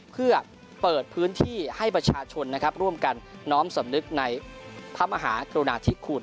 เพื่อเปิดพื้นที่ให้ประชาชนนะครับร่วมกันน้อมสำนึกในพระมหากรุณาธิคุณ